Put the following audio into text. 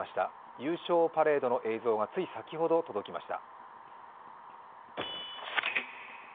優勝パレードの映像がつい先ほど、届きました。